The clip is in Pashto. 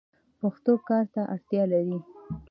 پښتو کار ته اړتیا لري.